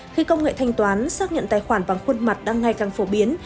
khi công nghệ thanh toán xác nhận tài khoản bằng khuôn mặt đang ngày càng phổ biến